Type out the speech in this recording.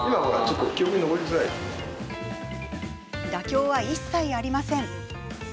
妥協は一切ありません。